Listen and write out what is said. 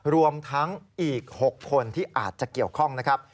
รวมทั้งอีก๖คนที่อาจจะเกี่ยวข้องนะครับ